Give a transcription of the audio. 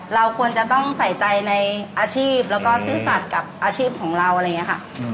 เราควรจะต้องใส่ใจในอาชีพแล้วก็ซื่อสัตว์กับอาชีพของเราอะไรอย่างนี้ค่ะ